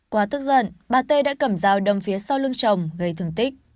quá tức giận bà t đã cầm dao đâm phía sau lưng chồng gây thương tích